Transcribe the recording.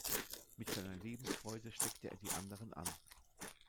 Mit seiner Lebensfreude steckte er die anderen an.